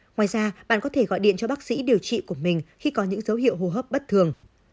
ngoài ra bạn có thể gọi điện cho bác sĩ điều trị của mình khi có những dấu hiệu hô hấp bất thường